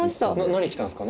何来たんですか？